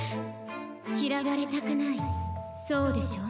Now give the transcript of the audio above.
嫌われたくないそうでしょ？